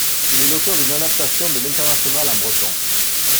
Il est l'auteur d'une adaptation de L'Internationale en breton.